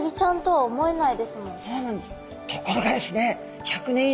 はい。